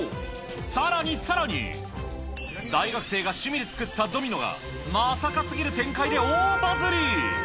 さらにさらに、大学生が趣味で作ったドミノがまさかすぎる展開で大バズり。